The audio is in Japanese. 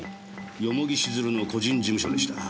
蓬城静流の個人事務所でした。